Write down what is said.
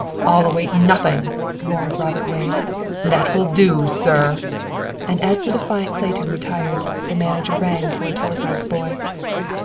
"I'll await nothing," roared Robert Wade. "That will do, sir!" And as the defiant Clayton retired, the manager rang for a telegraph boy.